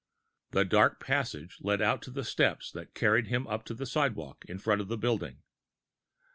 The dark passage led out to steps, that carried him up to the sidewalk, in front of the building.